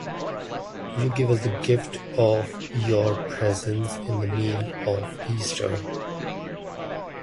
You give us the gift of Your presence in the meal of Easter.